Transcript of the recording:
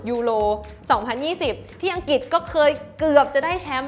ยูโร๒๐๒๐ที่อังกฤษก็เคยเกือบจะได้แชมป์